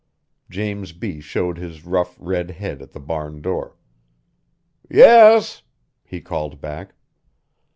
James B. showed his rough, red head at the barn door. "Yes!" he called back.